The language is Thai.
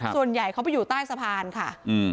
ส่วนใหญ่เขาไปอยู่ใต้สะพานค่ะ